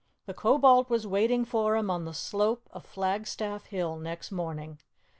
The Kobold was waiting for him on the slope of Flag Staff Hill next morning.